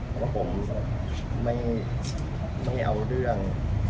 เพราะว่าผมไม่เอาเรื่อง